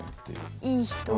いい人！